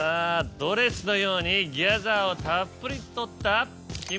ドレスのようにギャザーをたっぷり取った。